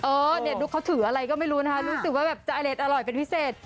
ดูเขาถืออะไรก็ไม่รู้นะคะรู้สึกว่าแบบจะอเล็ดอร่อยเป็นพิเศษ